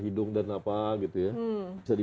hidung dan apa gitu ya bisa di